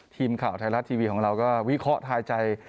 ทีมข่าวไทยรัฐทีวีของเราก็วิเคราะห์ทายใจ